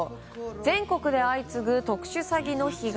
全国で相次ぐ特殊詐欺の被害。